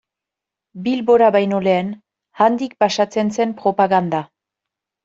Bilbora baino lehen, handik pasatzen zen propaganda.